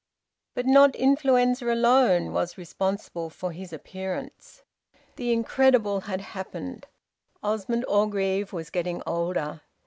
But not influenza alone was responsible for his appearance. The incredible had happened: Osmond Orgreave was getting older.